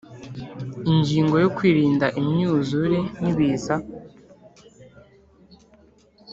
Ingingo yo Kwirinda imyuzure nibiza